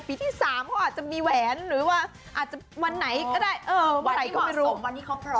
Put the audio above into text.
ที่๓เขาอาจจะมีแหวนหรือว่าอาจจะวันไหนก็ได้เออวันไหนก่อนวันที่เขาพร้อม